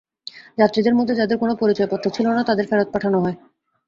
যাত্রীদের মধ্যে যাঁদের কোনো পরিচয়পত্র ছিল না, তাঁদের ফেরত পাঠানো হয়।